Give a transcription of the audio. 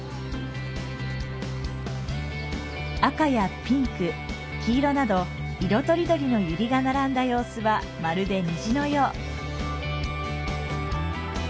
赤やピンク、黄色など色とりどりのユリが並んだ様子は、まるで虹のよう。